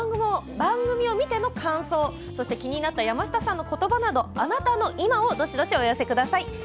番組を見ての感想、そして気になった山下さんのことばなどあなたの今をどしどしお寄せください。